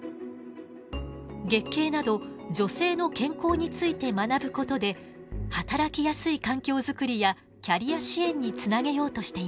月経など女性の健康について学ぶことで働きやすい環境作りやキャリア支援につなげようとしています。